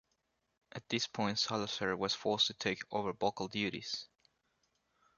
At this point, Salazar was forced to take over vocal duties.